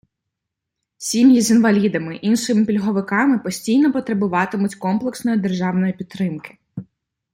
Сім’ї з інвалідами, іншими пільговиками постійно потребуватимуть комплексної державної підтримки.